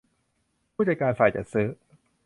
ผู้จัดการฝ่ายจัดซื้อ